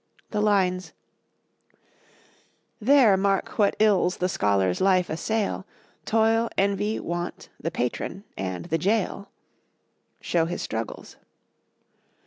The lines, "There mark what ills the scholar's life assail, Toil, envy, want, the patron, and the jail," show his struggles.